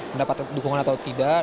mendapatkan dukungan atau tidak